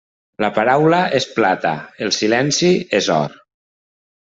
La paraula és plata, el silenci és or.